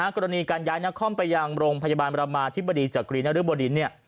กรณีการย้ายนครไปยังโรงพยาบาลบรมาธิบดีจักรีนริบดิน